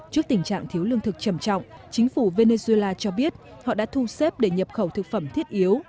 trước tình trạng thiếu lương thực trầm trọng chính phủ venezuela cho biết họ đã thu xếp để nhập khẩu thực phẩm thiết yếu